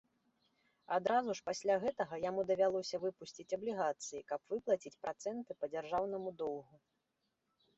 Адразу ж пасля гэтага яму давялося выпусціць аблігацыі, каб выплаціць працэнты па дзяржаўнаму доўгу.